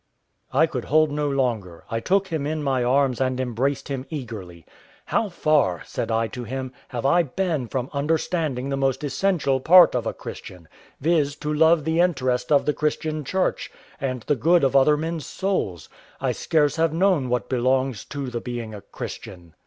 I could hold no longer: I took him in my arms and embraced him eagerly. "How far," said I to him, "have I been from understanding the most essential part of a Christian, viz. to love the interest of the Christian Church, and the good of other men's souls! I scarce have known what belongs to the being a Christian."